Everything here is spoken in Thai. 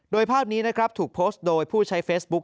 โดยภาพนี้นะครับถูกโพสต์โดยผู้ใช้เฟซบุ๊ค